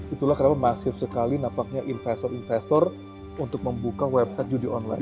itulah kenapa masif sekali nampaknya investor investor untuk membuka website judi online